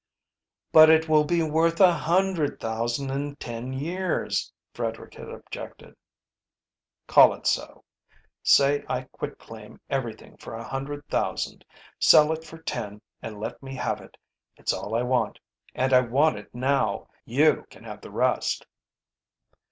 "But it will be worth a hundred thousand in ten years," Frederick had objected. "Call it so. Say I quitclaim everything for a hundred thousand. Sell it for ten and let me have it. It's all I want, and I want it now. You can have the rest."